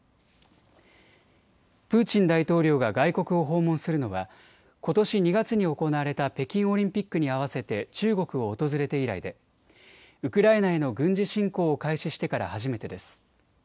プーチン大統領が外国を訪問するのはことし２月に行われた北京オリンピックに合わせて中国を訪れて以来でウクライナへの軍事侵攻を開始してから初めてです。